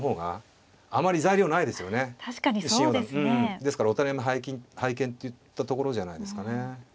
ですからお手並み拝見っていったところじゃないですかね。